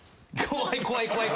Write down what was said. ・怖い怖い。